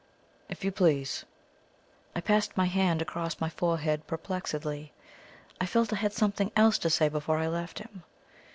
"If you please." I passed my hand across my forehead perplexedly, I felt I had something else to say before I left him.